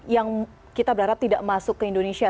yang kita berharap tidak masuk ke indonesia